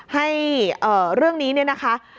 ให้เรื่องนี้นะคะ